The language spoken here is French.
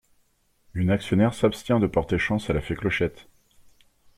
Une actionnaire s'abstient de porter chance à la fée Clochette.